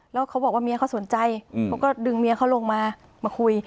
แล้วเขาบอกว่าเมียเขาสนใจเขาก็ดึงเมียเขาลงมามาคุย